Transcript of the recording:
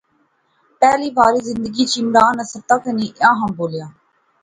پہلی واری زندگیچ عمران نصرتا کنے ایہھاں بولیا